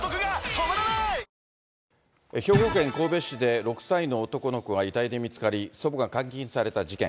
兵庫県神戸市で６歳の男の子が遺体で見つかり、祖母が監禁された事件。